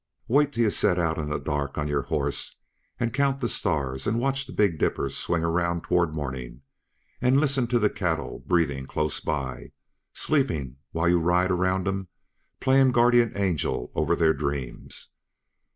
Wait till yuh set out in the dark, on your horse, and count the stars and watch the big dipper swing around towards morning, and listen to the cattle breathing close by sleeping while you ride around 'em playing guardian angel over their dreams.